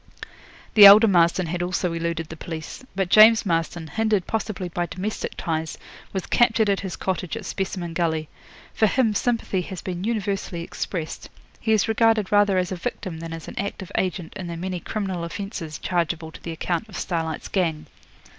The elder Marston had also eluded the police. But James Marston, hindered possibly by domestic ties, was captured at his cottage at Specimen Gully. For him sympathy has been universally expressed. He is regarded rather as a victim than as an active agent in the many criminal offences chargeable to the account of Starlight's gang.